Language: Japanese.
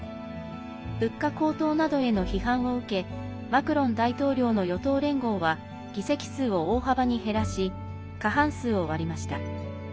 物価高騰などへの批判を受けマクロン大統領の与党連合は議席数を大幅に減らし過半数を割りました。